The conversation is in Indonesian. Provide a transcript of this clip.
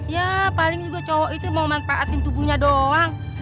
ya paling juga cowok itu mau manfaatin tubuhnya doang